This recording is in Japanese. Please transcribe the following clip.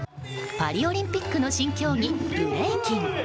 パリオリンピックの新競技ブレイキン。